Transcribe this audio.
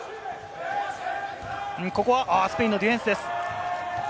ここはスペインのディフェンスです。